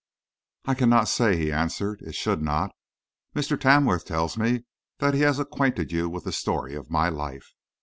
"I cannot say," he answered; "it should not. Mr. Tamworth tells me that he has acquainted you with the story of my life.